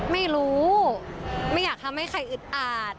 ไม่รู้ไม่อยากทำให้ใครอึดอาด